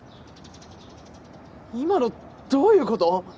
今のどういうこと？